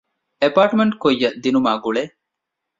އެޕާޓްމަންޓް ކުއްޔަށް ދިނުމާ ގުޅޭ